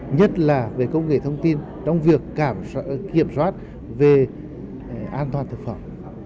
nhất là về công nghệ thông tin trong việc kiểm soát về an toàn thực phẩm